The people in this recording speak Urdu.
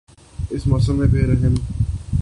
اس موسم میں بے رحم